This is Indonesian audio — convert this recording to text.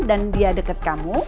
dan dia deket kamu